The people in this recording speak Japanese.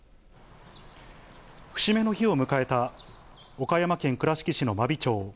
節目の日を迎えた岡山県倉敷市の真備町。